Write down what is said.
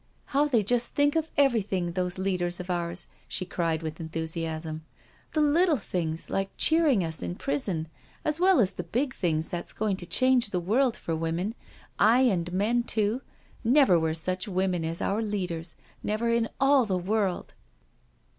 ^" How they just think of everything, those leaders of ours," she cried with enthusiasm. " The little things, like cheering us in prison, as well as the big things that's going to change the world for women — aye, and men too. Never were such women as our leaders — never in all the world."